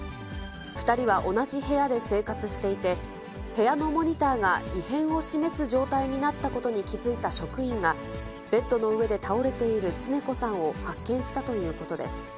２人は同じ部屋で生活していて、部屋のモニターが異変を示す状態になったことに気付いた職員が、ベッドの上で倒れている常子さんを発見したということです。